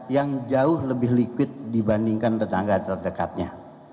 yang jauh lebih liquid dibandingkan tetangga terdekatnya